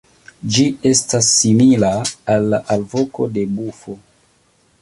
Ĝi estas simila al la alvoko de bufo.